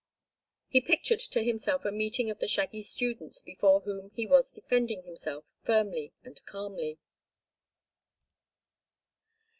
He pictured to himself a meeting of the shaggy students, before whom he was defending himself firmly and calmly.